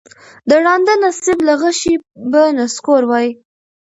د ړانده نصیب له غشي به نسکور وای